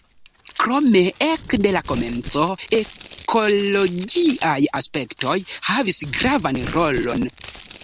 Krome ekde la komenco ekologiaj aspektoj havis gravan rolon.